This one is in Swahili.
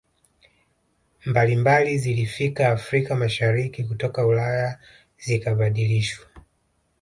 mbalimbali zilifika Afrika Mashariki kutoka Ulaya zikabadilishwa